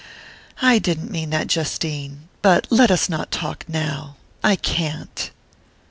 "I didn't mean that, Justine...but let us not talk now I can't!"